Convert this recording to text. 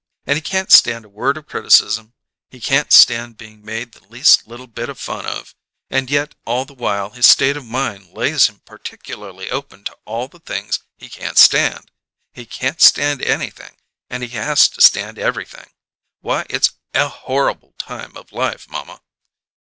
And he can't stand a word of criticism; he can't stand being made the least little bit of fun of; and yet all the while his state of mind lays him particularly open to all the things he can't stand. He can't stand anything, and he has to stand everything. Why, it's a horrible time of life, mamma!"